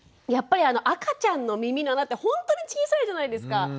やっぱり赤ちゃんの耳の穴ってほんとに小さいじゃないですか。